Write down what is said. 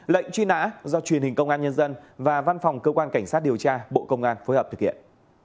lệnh truy nã do truyền hình công an nhân dân và văn phòng cơ quan cảnh sát điều tra bộ công an phối hợp thực hiện